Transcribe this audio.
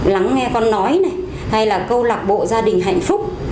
lắng nghe con nói này hay là câu lạc bộ gia đình hạnh phúc